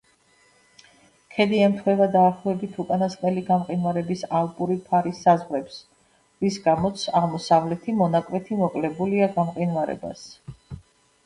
ქედი ემთხვევა დაახლოებით უკანასკნელი გამყინვარების ალპური ფარის საზღვრებს, რის გამოც აღმოსავლეთი მონაკვეთი მოკლებულია გამყინვარებას.